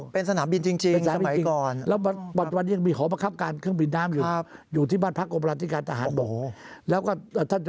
เป็นสนามบินจริงสมัยก่อน